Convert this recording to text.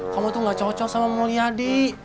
kamu tuh gak cocok sama mulyadi